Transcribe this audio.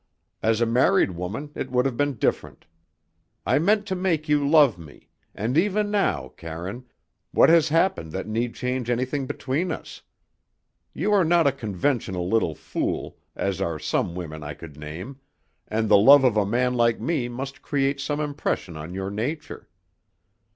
As a married woman it would have been different. I meant to make you love me; and even now, Karine, what has happened that need change anything between us? You are not a conventional little fool, as are some women I could name, and the love of a man like me must create some impression on your nature.